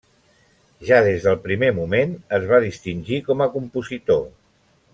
Ja des del primer moment es va distingir com a compositor.